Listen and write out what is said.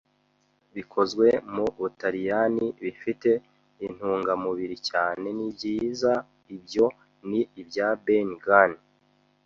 bikozwe mu Butaliyani, bifite intungamubiri cyane. Nibyiza, ibyo ni ibya Ben Gunn